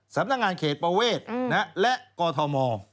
สำนักงานเขตประเวทและกอทม